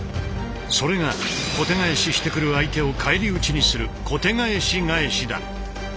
それが小手返ししてくる相手を返り討ちにする「小手返し返し」だ。